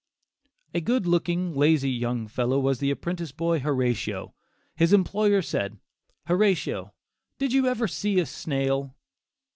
A good looking, lazy young fellow, was the apprentice boy Horatio. His employer said, "Horatio, did you ever see a snail?"